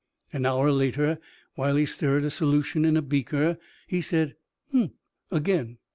An hour later, while he stirred a solution in a beaker, he said: "Huh!" again.